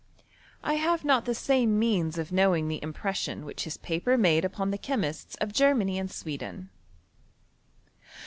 I have not the same means of know ing the impression which his paper made upon the or Germany and Sweden.